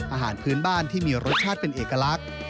อาหารพื้นบ้านที่มีรสชาติเป็นเอกลักษณ์